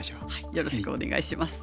よろしくお願いします。